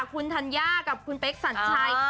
คุณธัญญากับคนไปสันใจ